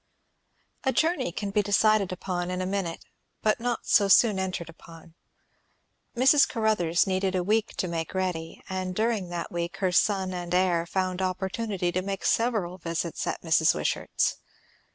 A journey can be decided upon in a minute, but not so soon entered upon. Mrs. Caruthers needed a week to make ready; and during that week her son and heir found opportunity to make several visits at Mrs. Wishart's.